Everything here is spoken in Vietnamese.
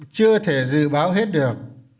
chưa thể dự báo hết được